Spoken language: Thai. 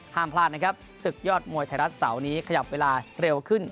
ห้ามพลาดนะครับศึกยอดมวยไทยรัฐเสาร์นี้ขยับเวลาเร็วขึ้น